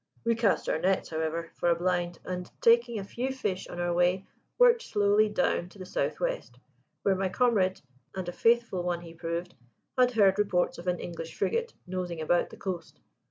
We cast our nets, however, for a blind, and taking a few fish on our way, worked slowly down to the south west, where my comrade (and a faithful one he proved) had heard reports of an English frigate nosing about the coast.